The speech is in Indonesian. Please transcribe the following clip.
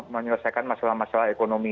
menyelesaikan masalah masalah ekonomi